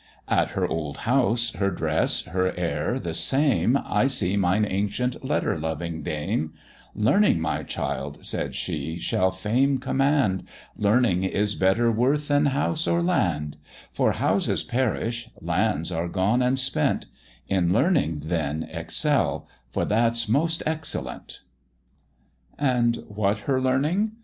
At her old house, her dress, her air the same, I see mine ancient Letter loving dame: "Learning, my child," said she "shall fame command; Learning is better worth than house or land For houses perish, lands are gone and spent; In learning then excel, for that's most excellent." "And what her learning?"